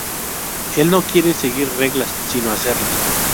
Él no quiere seguir reglas sino hacerlas.